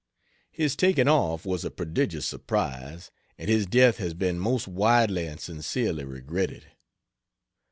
His taking off was a prodigious surprise, and his death has been most widely and sincerely regretted.